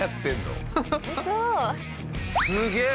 すげえ！